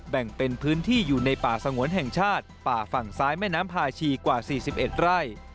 แบ่งเป็นพื้นที่อยู่ในป่าสงวนแห่งชาติป่าฝั่งซ้ายแม่น้ำพาชีกว่า๔๑ไร่